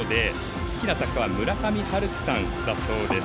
好きな作家は村上春樹さんだそうです。